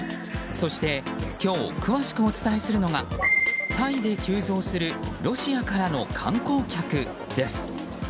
そして今日、詳しくお伝えするのがタイで急増するロシアからの観光客です。